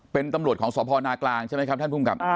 เป็นตำรวจของสพนากลางใช่ไหมครับท่านภูมิกับ